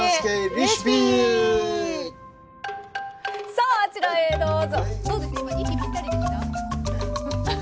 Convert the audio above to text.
さああちらへどうぞ。